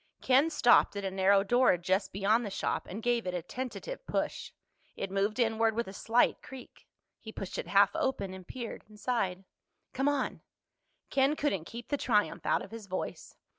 Ken stopped at a narrow door just beyond the shop and gave it a tentative push. It moved inward with a slight creak. He pushed it half open and peered inside. "Come on." Ken couldn't keep the triumph out of his voice.